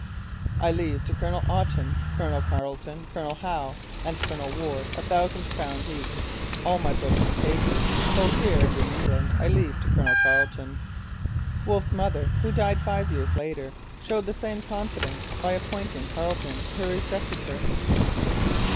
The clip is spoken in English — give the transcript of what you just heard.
'I leave to Colonel Oughton, Colonel Carleton, Colonel Howe, and Colonel Warde a thousand pounds each.' 'All my books and papers, both here and in England, I leave to Colonel Carleton.' Wolfe's mother, who died five years later, showed the same confidence by appointing Carleton her executor.